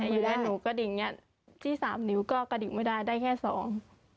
อยู่แล้วหนูกระดิ่งเนี้ยที่สามนิ้วก็กระดิ่งไม่ได้ได้แค่สอง